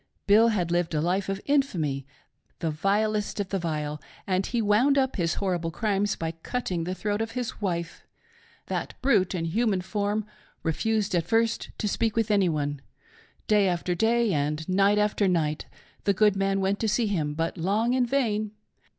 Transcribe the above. Bill had lived a life of infamy — the vilest of the vile — and he wound up his horrible crimes by cutting the throat of his wife. That brute in human form refused at first to speak with any one. Day after day and night after night the good man went to see him, but long in vain.